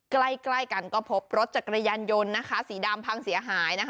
ใกล้กันก็พบรถจักรยานยนต์นะคะสีดำพังเสียหายนะคะ